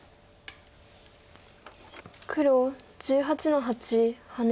黒１８の八ハネ。